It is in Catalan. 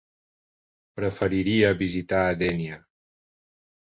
Preferiria visitar Dénia.